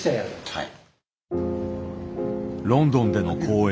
はい。